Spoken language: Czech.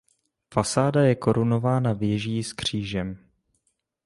Fasáda je korunována věží s křížem.